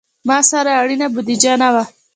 ما سره اړینه بودیجه نه وه.